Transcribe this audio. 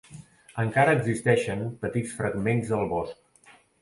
Encara existeixen petits fragments del bosc.